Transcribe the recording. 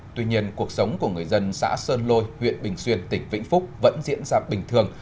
tuy nhiên cuộc sống của người dân xã sơn lôi huyện bình xuyên tỉnh vĩnh phúc vẫn diễn ra bình thường